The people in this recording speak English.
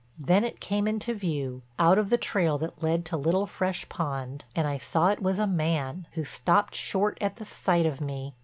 Then it came into view, out of the trail that led to Little Fresh Pond, and I saw it was a man, who stopped short at the sight of me.